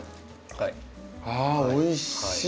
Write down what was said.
あおいしい。